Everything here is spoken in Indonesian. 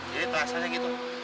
jadi terasa aja gitu